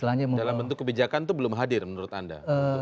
dalam bentuk kebijakan itu belum hadir menurut anda